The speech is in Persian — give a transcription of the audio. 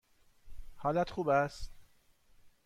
حالت خوب است؟